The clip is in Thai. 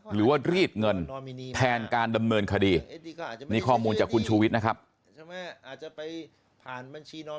หรือว่ารีดเงินแทนการดำเนินคดีนี่ข้อมูลจากคุณชูวิทย์นะครับ